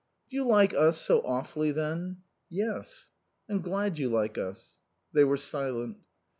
"Do you like us so awfully, then?" "Yes." "I'm glad you like us." They were silent.